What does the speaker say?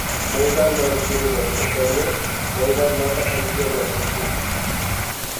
मैदानबाट सुरू भएको करीअर मैदानबाट अन्त्य गर्ने थियो ।